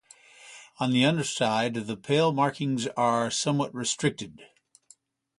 On the underside the pale markings are somewhat restricted.